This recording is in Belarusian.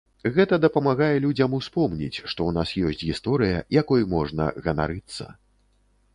Гэта дапамагае людзям успомніць, што ў нас ёсць гісторыя, якой можна ганарыцца.